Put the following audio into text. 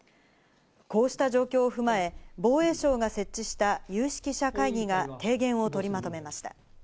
こうした状況を踏まえ、防衛省が設置した有識者会議が提言を取りまとめました。